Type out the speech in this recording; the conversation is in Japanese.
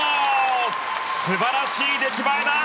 素晴らしい出来栄えだ。